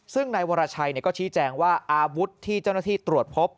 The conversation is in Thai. ซึ่งนายวรชัยก็ชี้แจงว่าอาวุธที่เจ้าหน้าที่ตรวจพบ